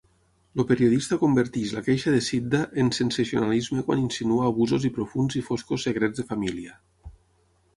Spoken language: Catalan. El periodista converteix la queixa de Sidda en sensacionalisme quan insinua abusos i profunds i foscos secrets de família